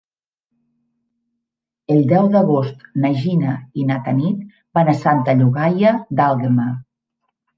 El deu d'agost na Gina i na Tanit van a Santa Llogaia d'Àlguema.